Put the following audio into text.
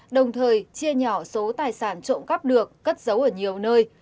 đồng thời chia nhỏ số tài sản trộm cắp được cất giấu ở nhiều nơi